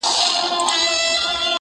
• په کړوپه ملا به ورسره ناڅم -